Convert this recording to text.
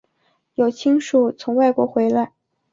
有亲属从国外回来